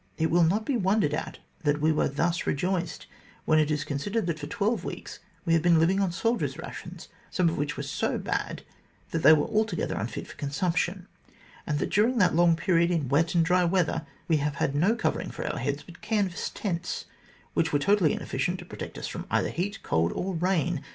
It will not be wondered at that we were thus rejoiced, when it is considered that for twelve weeks we have been living on soldiers' rations, some of which were so bad that they were altogether unfit for consumption, and that during that long period, in wet and dry weather, we have had no covering for our heads but canvas tents, which were totally inefficient to protect us from either heat, cold, or rain.